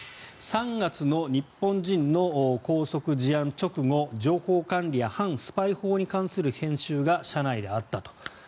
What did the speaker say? ３月の日本人の拘束事案直後情報管理や反スパイ法に関する研修が社内であったと。